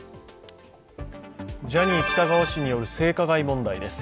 ジャニー喜多川氏による性加害問題です。